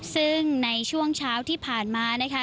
ซึ่งในช่วงเช้าที่ผ่านมานะคะ